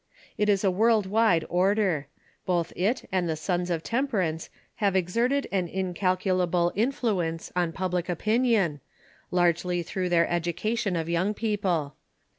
It is a world wide order ; both it and the Sons of Temperance have exerted an incalculable influence on ])ublic opinion, largely through their education of young people.